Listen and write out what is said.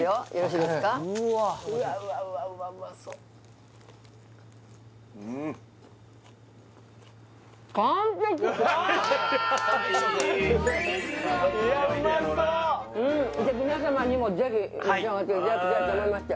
うまそういやうまそう皆様にもぜひ召し上がっていただきたいと思いまして・